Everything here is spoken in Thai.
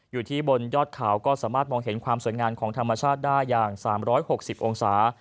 อยู่ที่บนยอดเขาก็สามารถมองเห็นความสวยงามของธรรมชาติได้อย่าง๓๖๐องศา